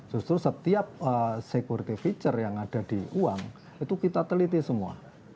justru setiap security feature yang ada di uang itu kita teliti semua